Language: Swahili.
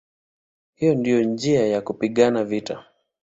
Hiyo ndiyo njia ya kupigana vita".